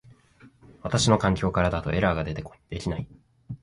私の環境からだとエラーが出て出来ない